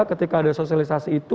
ketika ada sosialisasi itu